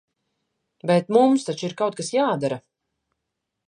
Bet mums taču ir kaut kas jādara!